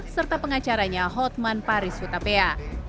serta pengacaranya hotman paris hutapea